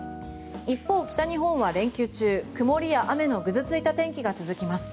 一方、北日本は連休中曇りや雨のぐずついた天気が続きます。